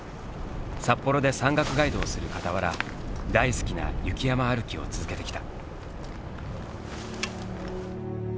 札幌で山岳ガイドをするかたわら大好きな雪山歩きを続けてきた。